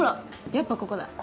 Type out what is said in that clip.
やっぱここだ。